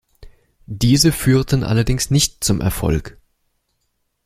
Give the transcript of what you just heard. Diese führten allerdings nicht zum Erfolg.